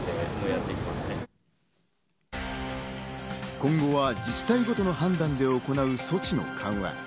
今後は自治体ごとの判断で行う措置の緩和。